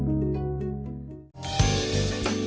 menampilkan dos cuek mussim